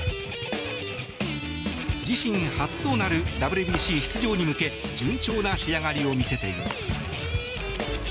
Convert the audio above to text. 自身初となるＷＢＣ出場に向け順調な仕上がりを見せています。